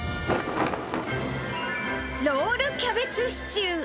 ロールキャベツシチュー。